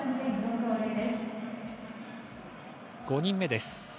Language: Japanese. ５人目です。